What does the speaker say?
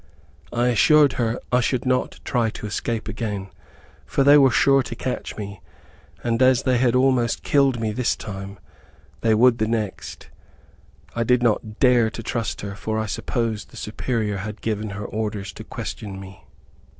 I assured her I should not try to escape again, for they were sure to catch me, and as they had almost killed me this time, they would quite the next. I did not dare to trust her, for I supposed the Superior had given her orders to question me.